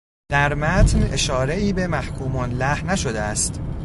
در متن، اشارهای به محکوم له نشده است